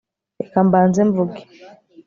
Reka mbanze mvuge